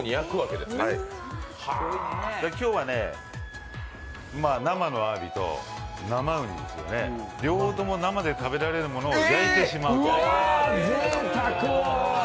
今日は、生のあわびと生うにですよね、両方とも生で食べられるものを焼いてしまうと。